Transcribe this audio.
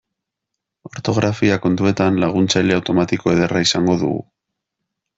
Ortografia kontuetan laguntzaile automatiko ederra izango dugu.